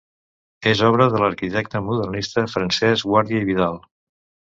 És obra de l'arquitecte modernista Francesc Guàrdia i Vial.